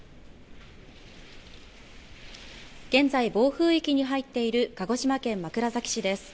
現在、暴風域に入っている鹿児島県枕崎市です